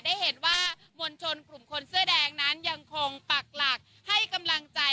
ได้เห็นว่ามวลชนกลุ่มคนเสื้อแดงนั้นยังคงปักหลักให้กำลังใจ